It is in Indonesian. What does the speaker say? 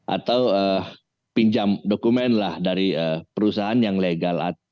atau pinjam dokumen lah dari perusahaan yang legal